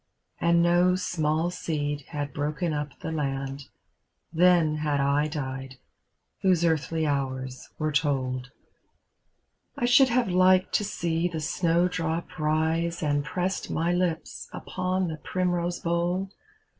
And no small seed had broken up the land, Then had I died, whose earthly hours were told. I should have liked to see the snowdrop rise, And pressed my Ups upon the primrose bowl.